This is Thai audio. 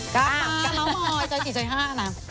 กล้าปมามาวมอยจอย๔จอย๕นะ